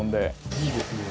いいですね。